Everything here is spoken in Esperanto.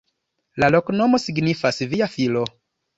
La loknomo signifas: via filo.